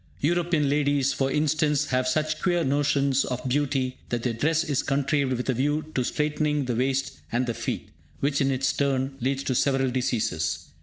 European ladies, for instance, have such queer notions of beauty that their dress is contrived with a view to straitening the waist and the feet, which, in its turn, leads to several diseases.